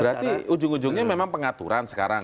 berarti ujung ujungnya memang pengaturan sekarang